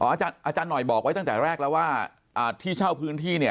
อาจารย์หน่อยบอกไว้ตั้งแต่แรกแล้วว่าที่เช่าพื้นที่เนี่ย